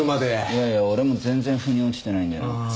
いやいや俺も全然腑に落ちてないんだよな。